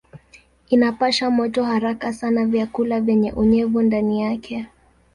Inapasha moto haraka sana vyakula vyenye unyevu ndani yake.